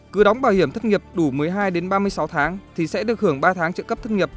cứ đóng bảo hiểm thất nghiệp đủ một mươi hai ba mươi sáu tháng thì sẽ được hưởng ba tháng trợ cấp thất nghiệp